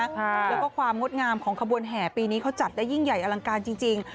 แล้วก็ความงดงามของขบวนแห่ปีนี้เขาจัดได้ยิ่งใหญ่อลังการจริง